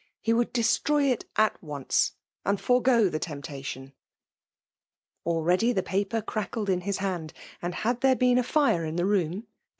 He would destroy itut once, and forego the temptation !. Already the paper crackled in his h^j^;; and, had there been a fire in the room^ it.